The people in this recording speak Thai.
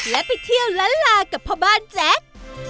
และไปเที่ยวล้านลากับพ่อบ้านแจ๊ค